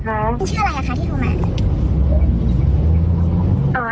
ชื่ออะไรอ่ะคะที่เข้ามา